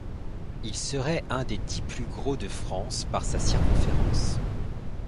Il serait un des dix plus gros de France par sa circonférence.